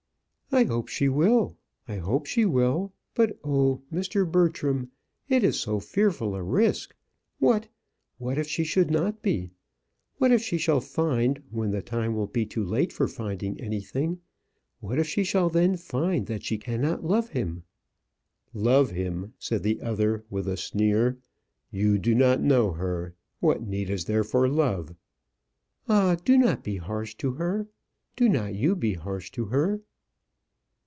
"I hope she will. I hope she will. But, oh! Mr. Bertram, it is so fearful a risk. What what if she should not be? What if she shall find, when the time will be too late for finding anything what if she shall then find that she cannot love him?" "Love him!" said the other with a sneer. "You do not know her. What need is there for love?" "Ah! do not be harsh to her; do not you be harsh to her."